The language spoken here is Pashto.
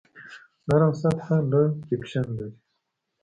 نرم سطحه لږ فریکشن لري.